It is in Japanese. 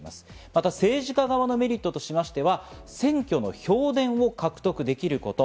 また政治家側のメリットとしましては選挙の票田を獲得できること。